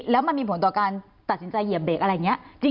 แล้วมันมีผลต่อการตัดสินใจเหยียบเด็กอะไรอย่างนี้